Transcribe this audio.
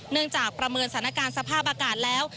จากประเมินสถานการณ์สภาพอากาศแล้ว